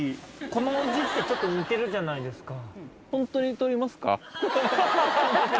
この字ってちょっと似てるじゃないですか。